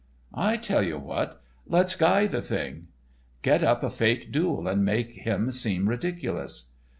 "I tell you what—let's guy the thing." "Get up a fake duel and make him seem ridiculous."